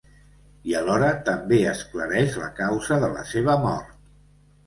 I alhora també esclareix la causa de la seva mort.